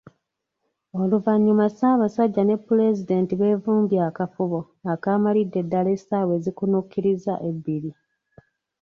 Oluvannyuma Ssaabasajja ne Pulezidenti beevumbye akafubo akaamalidde ddala essaawa ezikunuukiriza ebbiri.